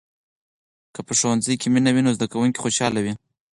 که په ښوونځي کې مینه وي، نو زده کوونکي خوشحال وي.